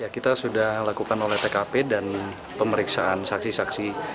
kita sudah lakukan oleh tkp dan pemeriksaan saksi saksi